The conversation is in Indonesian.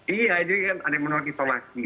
iya jadi kan ada yang menolak isolasi